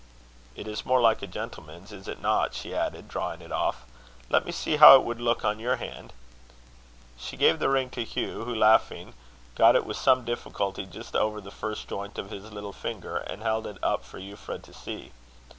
"It is more like a gentleman's, is it not?" she added, drawing it off. "Let me see how it would look on your hand." She gave the ring to Hugh; who, laughing, got it with some difficulty just over the first joint of his little finger, and held it up for Euphra to see.